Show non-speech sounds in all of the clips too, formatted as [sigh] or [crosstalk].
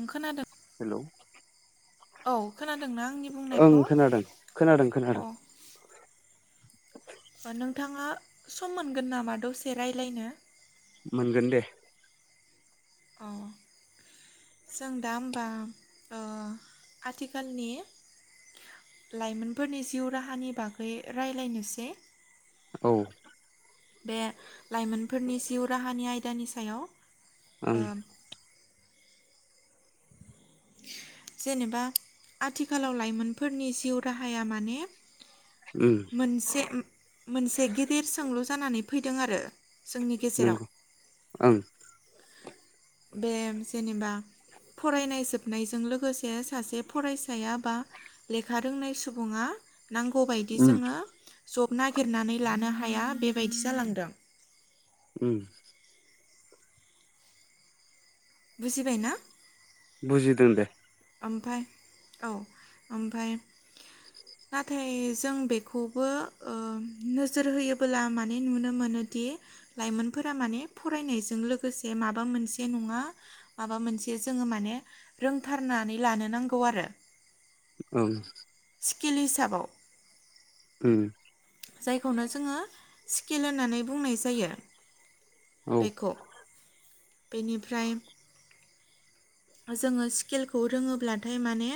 ओ [unintelligible] खोनादों। हेलौ औ खोनादोंना आंनि ओं बुंनायखौ खोनादों खोनादों खोनादों अ नोंथाङा सम मोनगोन नामा दसे रायज्लायनो? मोनगोन दे अ जों दा ओमबा ओ आथिखालनि लाइमोनफोरनि जिउ राहानि बागै राय्लायनोसै औ बे लाइमोनफोरनि जिउ राहानि आयदानि सायाव जेनेबा आथिखालाव लाइमोनफोरनि जिउ राहाया माने उम मोनसे मोनसे गेदेर सोंलु जानानै फैदों आरो। जोंनि गेजेराव नंगौ ओं बे जेनेबा फरायनाय जोबनायजों लोगोसे सासे फरायसाया बा लेखा रोंनाय सुबुङा नांगौबायदि उम जोङो जब नागिरनानै लानो हाया बेबायदि जालांदों। उम बुजिबाय ना बुजिदों दे ओमफाय औ ओमफाय नाथाय जों बेखौबो ओम नोजोर होयोबोला माने नुनो मोनो। दि लाइमोनफोरा माने फरायनायजों लोगोसे माबा मोनसे नङा माबा मोन से जोङो माने रोंथारनानै लानो नांगौ आरो। औ स्किल हिसाबाव उम जायखौनो जोङो स्किल होननानै बुंनाय जायो। औ बेखौ बेनिफ्राय जोङो स्किलखौ रोङोब्लाथाय माने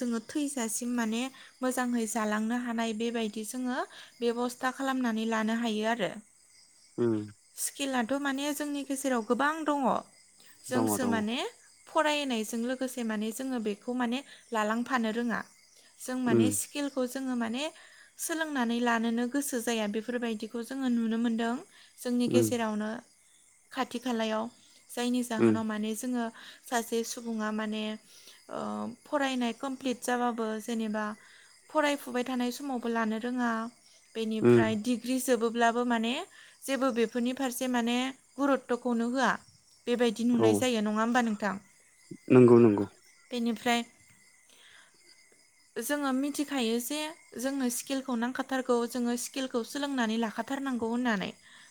जोङो थैजासिम माने मोजाङै जालांनो हानाय बेबायदि जोङो बेब'स्था खालामनानै लानो हायो आरो। उम स्किलाथ' माने जोंनि गेजेराव गोबां दङ दङ जोंसो दङ माने फरायनायजों लोगोसे माने जोङो बेखौ माने लालांफानो रोङा। जों उम माने स्किलखौ जोङो माने सोलोंनानै लानोनो गोसो जाया बेफोरबायदिखौ जोङो नुनो मोनदों। जोंनि उम गेजेरावनो खाथि खालायाव जायनि उम जाहोनाव माने जोङो सासे सुबुङा माने फरायनाय कमप्लिट जाबाबो जेनेबा फरायफुबाय थानाय समावबो लानो रोङा उम बेनिफ्राय डिग्रि जोबो ब्लाबो माने जेबो बेफोरनि फारसे माने गुरुपत'खौनो होआ। बेबायदि औ नुनाय जायो नङा होमबा नोंथां नंगौ नंगौ। बेनिफ्राय जोङो मिथिखायो जे जोंनो स्किलखौ नांखाथारगौ जोङो स्किलखौ सोलोंनानै लाखाथार नांगौ होननानै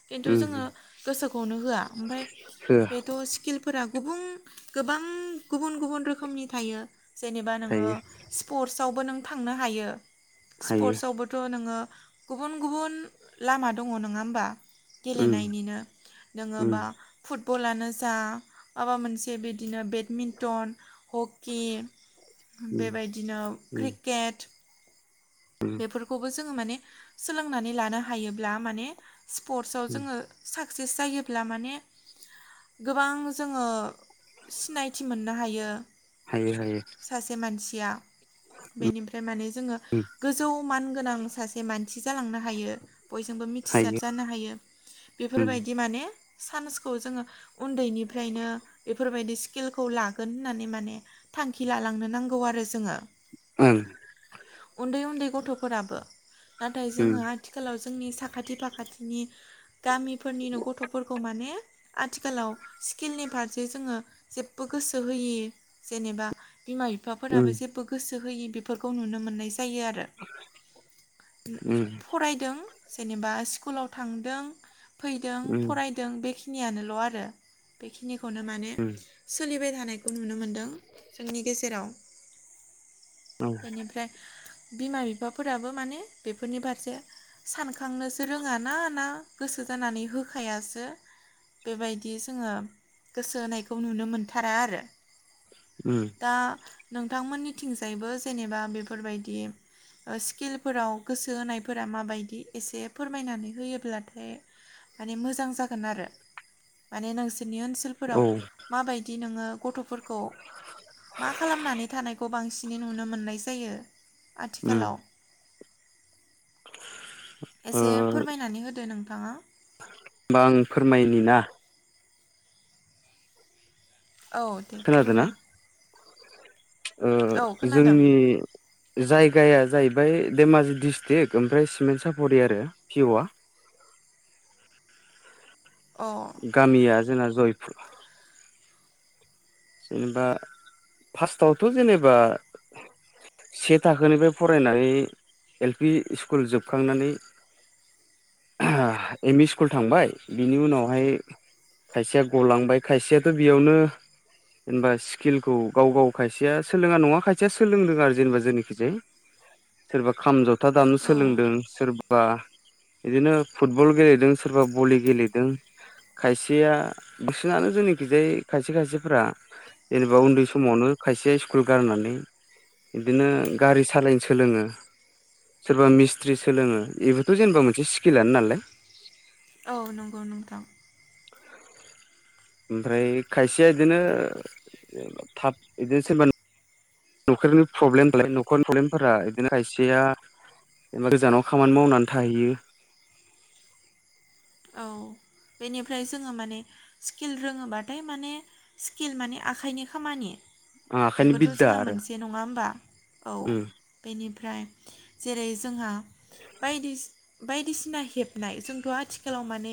खिन्थु उम जोङो गोसोखौनो होआ ओमफ्राय होआ बेथ' स्किलफोरा गुबुन गोबां गुबुन गुबुन रोखोमनि थायो जेनेबा नोङो थायो स्पर्टस रावबो नों थांनो हायो हायो स्पर्टसावबोथ' नोङो गुबुन गुबुन लामा दङ नोङा होमबा उम गेलेनायनिनो उम नोङोबा फुटबलानो जा माबा मोनसे बिदिनो बेडमिन्टन, हकि उम बेबायदिनो उम क्रिकेट बेफोरखौबो जोङो माने सोलोंनानै लानो हायोब्ला माने स्पर्टसआव उम जोङो साक्सेस जायोब्ला माने गोबां जोङो सिनायथि मोननो हायो हायो हायो गिया बेनिफ्राय माने जोङो उम औ मान गोनां सासे मानसि जालांनो हायो बयजोंबो मिथिसार हायो जानो हायो उम बेफोरबायदि माने सान्सखौ जोङो उनदैनिफ्रायनो बेफोरबायदि स्किलखौ लागोन होननानै माने थांखि लालांनो नांगौ आरो जोङो ओं दै उनदै गथ'फोराबो नाथाय उम जोङो आथिखालाव जे जोंनि साखाथि फाखाथिनि गामिफोरनिनो गथ'फोरखौ माने आथिखालाव स्किलनि फारसे जोङो जेबबो गोसो होयि जेनेबा बिमा बिफाफोराबो उम जेबो गोसो होयि बेफोरखौ नुनो मोननाय यो आरो उम फरायदों जेनेबा स्कुलाव थांदों फैदों उम फरायदों बेखि नियानोल' आरो बेखिनिखौनो माने उम सोलिबाय था थानायखौ नुनो मोनदों जोंनि गेजेराव औ उम औ बेनिफ्राय बिमा बिफाफोराबो माने बेफोरनि फारसे सानखांनोसो रोङाना ना गोसो जानानै होखायासो बेबायदि जोङो गोसो होनायखौ नुनो मोनथारा आरो उम दा नोंथांमोननिथिंजायबो जेनेबा बेफोरबायदि ओ स्किलफोराव गोसो होनायफोरा माबायदि एसे फोरमायनानै होयोब्लाथाय माने मोजां जागोन आरो माने नोंसि नि ओ ओनसोलफोराव माबायदि नोङो गथ'फोर खौ मा खालामनानै थानायखौ बांसिनै नुनो मोननाय जायो आथिखालाव [inaudible] एसे होमबा फोरमायनानै होदो नोंथाङा आं फोरमायनि ना औ दे खोनादों ना? फोरमाय ओ औ खोनादों जोंनि जायगाया जाहैबाय धेमाजि डस्ट्रिक्ट ओमफ्राय सिमेन्ट साफरि आरो पि अ आ अ गामिया जोंना जयपुर जेनेबा फार्स्टआवथ' जेनेबा से थाखोनिफ्राय फरायनानै एल पि स्कुल जोबखांनानै एम इ स्कुल थांबाय बिनि उनावहाय खायसेया गलांबाय खायसेयाथ' बेयावनो जेनेबा स्किलखौ गाव गाव खायसेया सोलोङा नङा खायसेया सोलोंदों आरो जेनेबा जोंनिखैजाय सोरबा खाम, जथा दामनो औ सोलोंदों सोरबा बिदिनो फुटबल गेलेदों सोरबा भलि गेलेदों खायसेया बिसिना जोंनिखिजाय खायसे खायसेफ्रा जेनेबा उनदै समावनो खायसेया स्कुल गारनानै बिदिनो गारि सालायनो सोलोङो सोरबा मिस्ट्रि सोलोङो बेबोथ' जेनेबा मोनसे स्किलानो नालाय औ नंगौ नोंथां ओमफ्राय खायसेया बिदिनो थाब बिदिनो सोरबा न'खरनि प्रब्लेम दालाय [unintelligible] न'खरनि प्रब्लेमफोरा बिदिनो खायसेया जेनेबा गोजानाव खामानि मावनानै थाहैयो [inaudible] औ बेनिफ्राय जोङो माने स्किल रोङोबाथाय माने स्किल माने आखाइनि खामानि आं आखाइनि बेबोथ' बिद्दा जोंहा आरो मोनसे नङा होमबा औ उम बेनिफ्राय फ्राय जेरै जोंहा बायदिसिना हेबनाय जोंथ' आथिखाल खालाव माने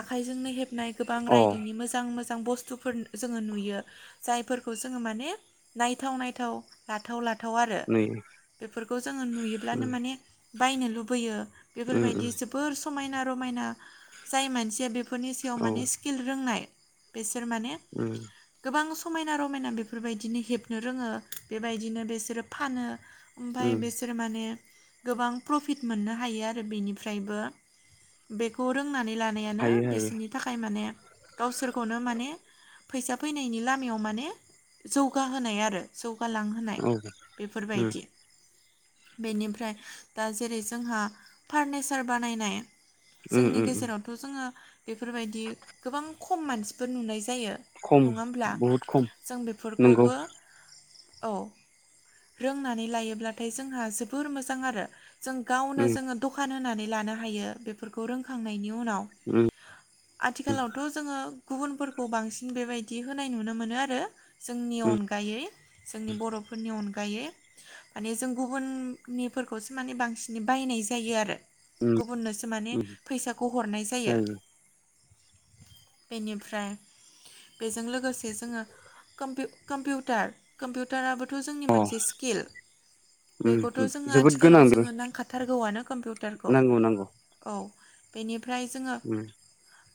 आखाइजोंनो हेबनाय गोबां अ रायदोंनि मोजां मोजां मोजां बुस्थुफोर जोङो नुयो जायफोरखौ जोङो माने नायथाव नायथाव लाथाव लाथाव थाव आरो नै बेफोरखौ जोङो नुयोब्लानो उम माने बायनो लुबैयो उम बेफोरबायदि उम जोबोर समायना रमायना जाय मानसिया बे बेफोरनि सायाव औ माने स्किल रोंनाय बिसोर माने उम गोबां समायना रमायना बेफोरबायदिनो हेबनो रोङो बेबायदिनो बेसोरो फानो ओमफाय उम बिसोरो माने गोबां प्रफिट मोननो हायो आरो बेनिफ्रायबो बेखौ रों नानै लानायानो हायो हायो बिसोरनि थाखाय माने गावसोरखौनो माने फैसा फैनायनि लामायाव माने जौगाहोनाय आरो जौ गालांहोनाय औ उम बेफोरबायदि बेनिफ्राय दा जेरै जोंहा फारनिचार बानायनाय उम जोंनि उम गेजेरावथ' जोङो बेफोरबायदि गोबां खम मानसिफोर नुनाय जायो जायो खम नङा हब्ला बहुद खम जों नंगौ बेफोरखौबो औ रोंनानै लायोब्लाथाय जोंहा जोबोर मोजां आरो जों गावनो उम जोङो दखान होनानै लानो हायो बेफोरखौ रोंखांनायनि उनाव उम उनाव आथिखालावथ' जोङो गुबुनफोरखौ बांसिन बेबायदि होनाय नुनो मोनो आरो जोंनि उम अनगायै जोंनि बर'फोरनि अनगायै माने जों गुबुननिफोरखौसो माने बांसिन बायनाय नाय जायो आरो उम गुबुननोसो माने उम फैसाखौ हरनाय जायो बिनिफ्राय बेजों लोगोसे जोङो कम्पिउटार कम्पिउटाराबो थ' जोंनि अ मोनसे स्किल उम बेखौथ' जोङो जोबोद आथिखालाव गोनां बेबो जोङो नांखाथारगौआनो कम्पिउटारखौ नांगौ नांगौ औ बेनिफ्राय जोङो उम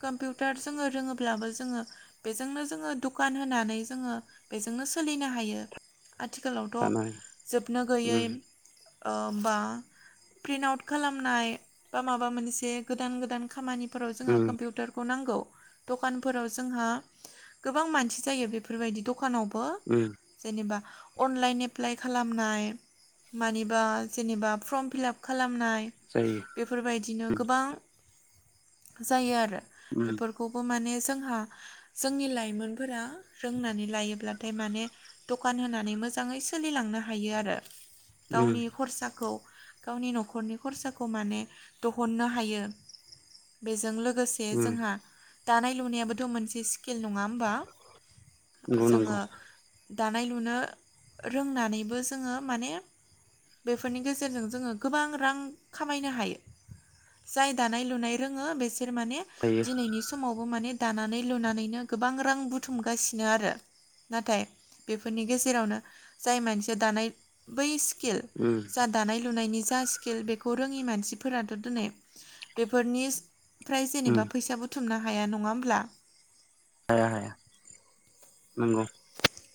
कम्पिउटार जोङो रोङोब्लाबो जोङो बेजोंनो जोङो दुखान होनानै जोङो बेजोंनो सोलिनो हायो आथिखालावथ' दानाय जोबनो उम गैयै बा प्रिन्ट आउट खालामनाय बा माबा मोनसे गोदान गोदान खामानि फोराव जोंहा उम कम्पिउटारखौ नांगौ दखानफोराव जोंहा गोबां मानसि जायो बेफोरबायदि दखानाव उम [unintelligible] जेनेबा अनलाइन एप्लाइ खालामनाय मानिबा जेनेबा फर्म फिलाप खालामनाय जायो बे बायदिनो उम गोबां जायो आरो उम बेफोरखौबो माने जोंहा जोंनि लाइमोनफोरा रोंनानै लायोब्लाथाय माने दखान होनानै मोजाङै सोलिलांनो हायो आरो उम गावनि खरसाखौ गावनि न'खरनि खरसाखौ माने दहननो हायो बेजों लोगोसे उम जोंहा दानाय लुनायाबोथ' मोनसे स्किल नङा होमबा नंगौ जोङो नंगौ दानाय लुनो रोंनानैबो जोङो माने। बेफोरनि गेजेरजों जोङो गोबां रां खामायनो हायो। जाय दानाय लुनाय रोङो बेसोर माने हायो दिनैनि समावबो माने दानानै लुनानैनो गोबां रां बुथुमगासिनो आरो। नाथाय बेफोरनि गेजेरावनो जाय मानसिया दानाय बै। स्किल उम जा दानाय लुनायनि जा स्किल बेखौ रोङि मानसि फोराथ' दोनै बेफोरनिफ्राय उम जेनेबा फैसा बुथु थुमनो हाया नङा होमब्ला। हाया हाया नंगौ।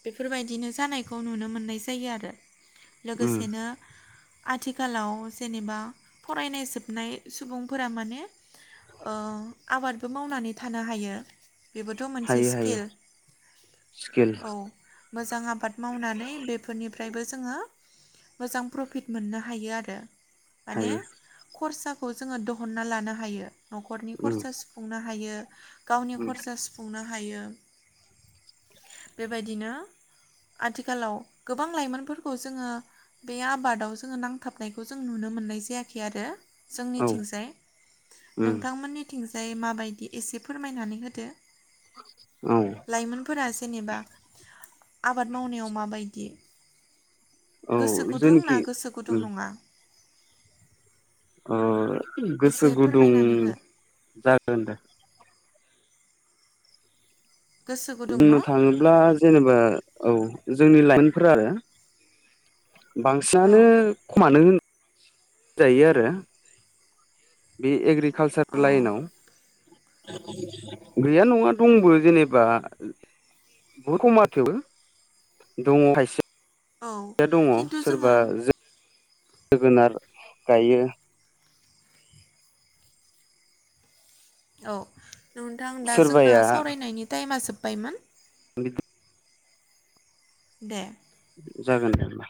बेफोरबायदिनो जानायखौ नुनो मोननाय जायो आरो उम लोगोसेनो। आथिखालाव जेनेबा फरायनाय जोबनाय सुबुंफोरा माने। ओ‌ आबादबो मावनानै थानो हायो। बेबोथ' मोनसे हायो हायो स्किल औ [unintelligible] मोजां आबाद मावनानै बेफोरनिफ्रायबो जोङो मोजां प्रफिट मोननो हायो आरो। माने हायो खरसाखौ जोङो दहनना लानो हायो। न'खरनि उम खरसा सुफुंनो हायो गावनि उम खरसा सुफुंनो हा हायो बेबायदिनो आथिखालाव गोबां लाइमोनफोरखौ जोङो बे आबादाव जोङो नांथाबनायखौ जों नुनो मोननाय जायाखै आरो। औ जोंनिथिंजाय उम नोंथांमोननि थिंजाय माबायदि एसे फोरमायनानै होदो। औ लाइमोनफोरा जेनेबा। आबाद मावनायाव माबायदि। औ गोसो गुदुं जेनोखि ना गोसो गुदुं उम नङा? ओ गोसो एसे गुदुं फोरमायनानै हो जागोन दे। गोसो गुदुं बुंनो न' थाङोब्ला जेनेबा औ जोंनि लाइमोनफोरा आरो। औ बांसिनानो खमानो होन जायो आरो। बे एग्रिकालसार औ लाइनाव गैया नङा दंबो जेनेबा बहुत खम आरो थेवबो दङ खायसे‌। औ खिन्थु जोङो। जोगोनार गायो। औ नोंथां दा जोंना सोरबाया सावरायनायनि टाइमा जोब्बायमोन। बिदि दे जागोन दे होमबा।